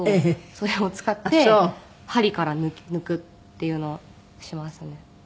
それを使って針から抜くっていうのをしますね。